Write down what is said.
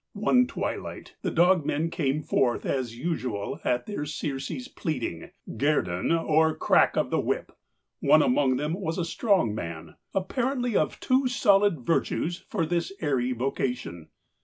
One twilight the dogmen came forth as usual at their Circes' pleading, guerdon, or crack of the whip. One among them was a strong man, apparently of too solid virtues for this airy vocation.